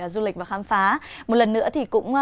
du lịch và khám phá một lần nữa thì cũng